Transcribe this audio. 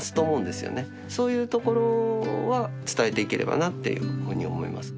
そういうところは伝えていければなっていうふうに思います。